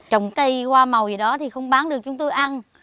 trồng cây hoa màu gì đó thì không bán được chúng tôi ăn